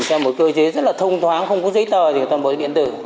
trong một cơ chế rất là thông thoáng không có giấy tờ thì toàn bộ điện tử